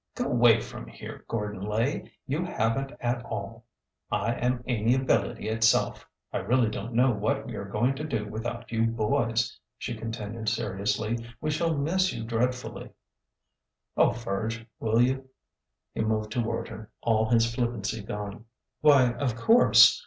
'''' Go 'way from here, Gordon Lay ! You have n't at all! I am amiability itself! ... I really don't know what we are going to do without you boys," she continued seriously. We shall miss you dreadfully." '' Oh, Virge, will you ?" He moved toward her, all his flippancy gone. Why, of course.